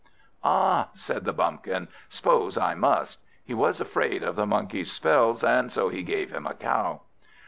"Ah," said the Bumpkin, "'spose I must." He was afraid of the Monkey's spells, and so he gave him a cow.